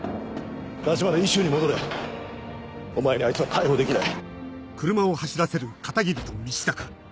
橘ＥＣＵに戻れお前にあいつは逮捕できない。